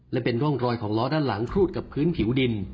และเป็นร่องรอยของล้อด้านหลังครูดกับพื้นผิวดิน